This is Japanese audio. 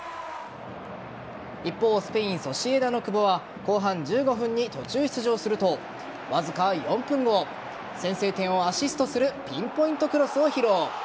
一方スペイン・ソシエダの久保は後半１５分に途中出場するとわずか４分後先制点をアシストするピンポイントクロスを披露。